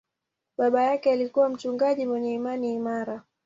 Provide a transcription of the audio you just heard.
Baba yake alikuwa mchungaji mwenye imani imara.